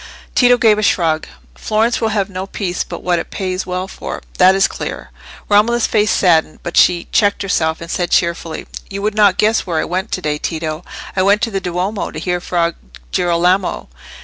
Tito gave a shrug. "Florence will have no peace but what it pays well for; that is clear." Romola's face saddened, but she checked herself, and said, cheerfully, "You would not guess where I went to day, Tito. I went to the Duomo, to hear Fra Girolamo."